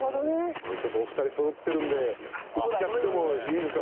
これちょっとお二人そろってるんでいっちゃってもいいですか？